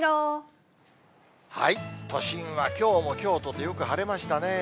都心はきょうもきょうとてよく晴れましたね。